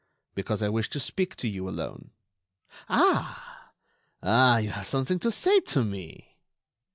"Because I wished to speak to you alone." "Ah! ah! you have something to say to me."